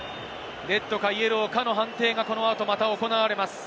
レッドかイエローかの判定がこのあと行われます。